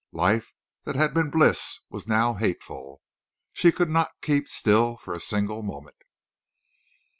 Life that had been bliss was now hateful! She could not keep still for a single moment.